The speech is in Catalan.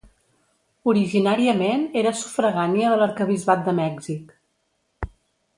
Originàriament era sufragània de l'arquebisbat de Mèxic.